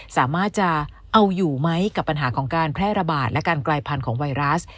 สามารถจะเอาอยู่ไหมกับปัญหาของการแพร่ระบาดและการกลายพันธุ์ของไวรัส